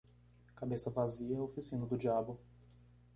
Cabeça vazia, oficina do diabo.